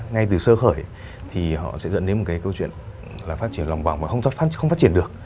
ngay từ sơ khởi thì họ sẽ dẫn đến một cái câu chuyện là phát triển lòng vòng và không phát triển được